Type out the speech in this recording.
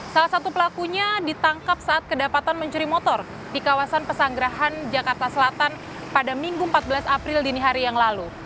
salah satu pelakunya ditangkap saat kedapatan mencuri motor di kawasan pesanggerahan jakarta selatan pada minggu empat belas april dini hari yang lalu